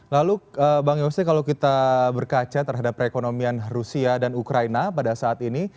lalu bang yose kalau kita berkaca terhadap perekonomian rusia dan ukraina pada saat ini